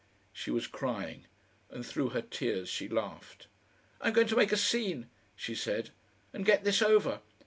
She was crying, and through her tears she laughed. "I'm going to make a scene," she said, "and get this over.